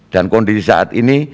dan kondisi saat ini